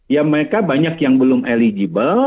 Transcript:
ya mereka banyak yang belum eligible